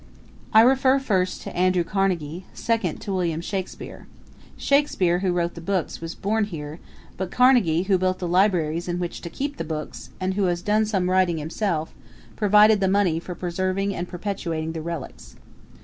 I refer first to Andrew Carnegie; second to William Shakspere. Shakspere, who wrote the books, was born here; but Carnegie, who built the libraries in which to keep the books, and who has done some writing himself, provided money for preserving and perpetuating the relics.